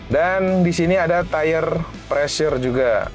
dan di sini ada tire pressure juga